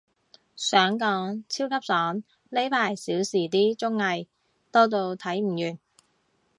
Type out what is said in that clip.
想講，超級爽，呢排少時啲綜藝，多到睇唔完